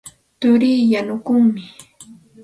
Turii yanukuqmi.